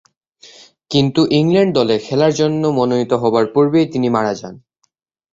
কিন্তু ইংল্যান্ড দলে খেলার জন্য মনোনীত হবার পূর্বেই তিনি মারা যান।